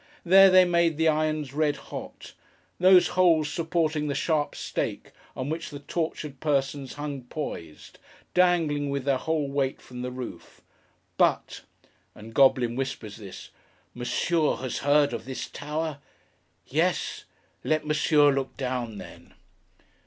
There they made the irons red hot. Those holes supported the sharp stake, on which the tortured persons hung poised: dangling with their whole weight from the roof. 'But;' and Goblin whispers this; 'Monsieur has heard of this tower? Yes? Let Monsieur look down, then!